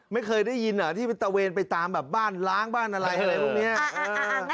ไม่เคยได้ยินที่มันตะเวนไปตามแบบบ้านล้างบ้านอะไรอะไรพวกนี้